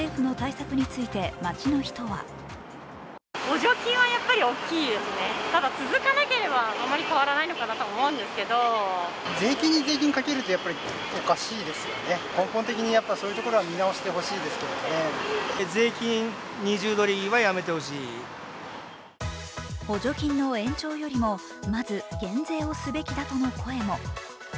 政府の対策について街の人は補助金の延長よりも、まず減税をすべきだとの声も。